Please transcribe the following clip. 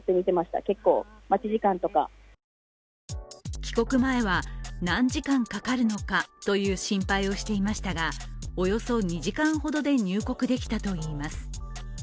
帰国前は、何時間かかるのかという心配をしていましたが、およそ２時間ほどで入国できたといいます。